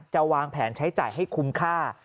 วางแผนใช้จ่ายให้คุ้มค่า